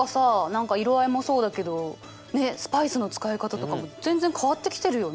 何か色合いもそうだけどねっスパイスの使い方とかも全然変わってきてるよね。